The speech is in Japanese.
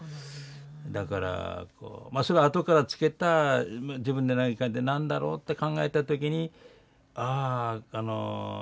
だからそれはあとからつけた自分で何かで何だろうって考えた時にあああの何て言うかな